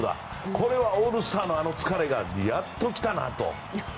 これは、オールスターの疲れがやっときたなと。